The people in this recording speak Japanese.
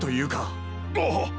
あっ！